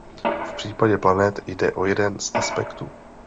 V případě planet jde o jeden z aspektů.